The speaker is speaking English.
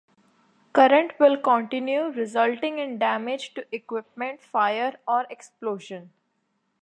Current will continue, resulting in damage to equipment, fire or explosion.